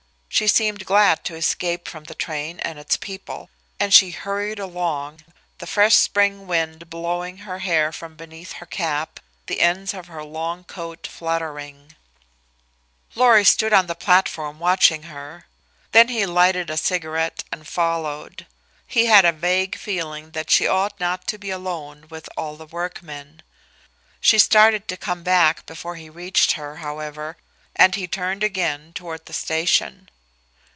She seemed glad to escape from the train and its people, and she hurried along, the fresh spring wind blowing her hair from beneath her cap, the ends of her long coat fluttering. Lorry stood on the platform watching her; then he lighted a cigarette and followed. He had a vague feeling that she ought not to be alone with all the workmen. She started to come back before he reached her, however, and he turned again toward the station.